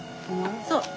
そう。